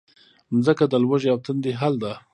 مځکه د لوږې او تندې حل ده.